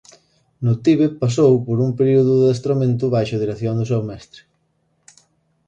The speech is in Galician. No Tíbet pasou por un período de adestramento baixo a dirección do seu mestre.